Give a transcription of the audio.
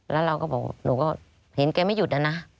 แล้วเราก็บอกหนูก็เห็นแกไม่หยุดอะนะ